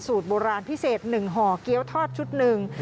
โบราณพิเศษ๑ห่อเกี้ยวทอดชุดหนึ่ง